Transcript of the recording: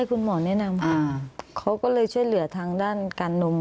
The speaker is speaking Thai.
เขาก็เลยช่วยเหลือทางด้านการนุ่ม